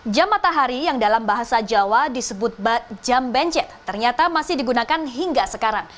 jam matahari yang dalam bahasa jawa disebut jam bencet ternyata masih digunakan hingga sekarang